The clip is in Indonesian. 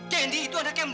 candy itu anak yang baik ma